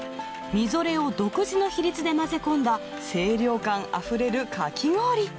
みぞれを独自の比率で混ぜ込んだ清涼感あふれるかき氷。